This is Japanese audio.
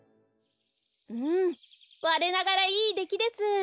うんわれながらいいできです。